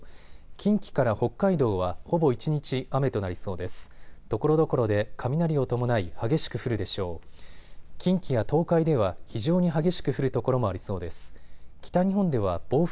近畿から北海道はほぼ一日、雨となりそうです。